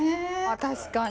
確かに。